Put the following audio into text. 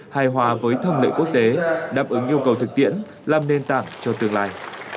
hài hòa với thâm lợi quốc tế đáp ứng yêu cầu thực tiễn làm nền tảng cho tương lai